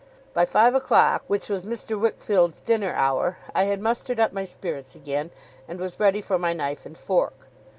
By five o'clock, which was Mr. Wickfield's dinner hour, I had mustered up my spirits again, and was ready for my knife and fork.